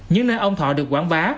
những nơi ông thọ được quảng bá